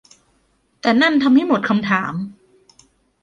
แต่นั่นทำให้หมดคำถาม